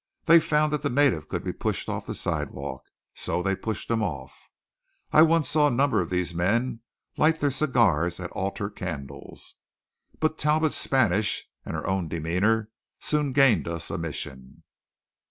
They found that the native could be pushed off the sidewalk, so they pushed him off. I once saw a number of these men light their cigars at altar candles. But Talbot's Spanish and our own demeanour soon gained us admission.